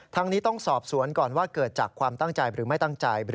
นี้ต้องสอบสวนก่อนว่าเกิดจากความตั้งใจหรือไม่ตั้งใจ